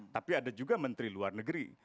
tapi ada juga menteri luar negeri